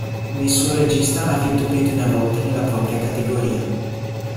Nessun regista ha vinto più di una volta nella propria categoria.